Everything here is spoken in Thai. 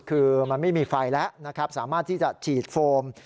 คือมันไม่มีไฟแล้วนะครับสามารถที่จะฉีดโฟม